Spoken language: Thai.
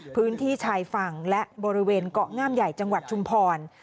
พื้นที่ชายฝั่งและบริเวณเกาะงามใหญ่จังหวัดชุมพร